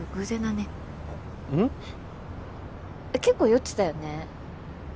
結構酔ってたよね。